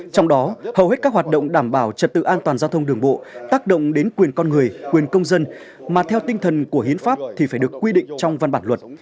trong đó hầu hết các hoạt động đảm bảo trật tự an toàn giao thông đường bộ tác động đến quyền con người quyền công dân mà theo tinh thần của hiến pháp thì phải được quy định trong văn bản luật